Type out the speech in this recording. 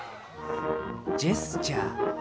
ジェスチャー。